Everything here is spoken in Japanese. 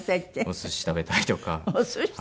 お寿司食べたいとか？